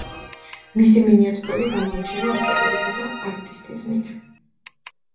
მისი მინიატურები გამოირჩევა ოსტატობითა და არტისტიზმით.